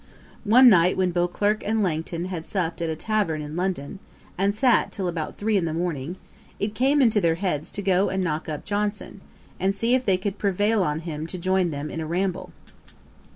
Ætat 44.] One night when Beauclerk and Langton had supped at a tavern in London, and sat till about three in the morning, it came into their heads to go and knock up Johnson, and see if they could prevail on him to join them in a ramble.